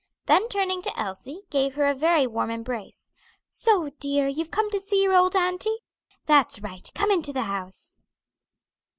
Then turning to Elsie, gave her a very warm embrace. "So, dear, you've come to see your old auntie? That's right. Come into the house."